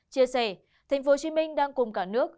chia sẻ tp hcm đang cùng cả nước